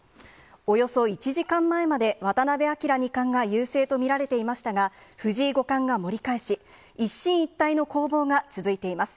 およそ１時間前まで、渡辺明二冠が優勢と見られていましたが、藤井五冠が盛り返し、一進一退の攻防が続いています。